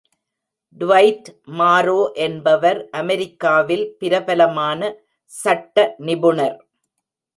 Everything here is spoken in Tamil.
ட்வைட் மாரோ என்பவர் அமெரிக்காவில் பிரபலமான சட்ட நிபுணர்.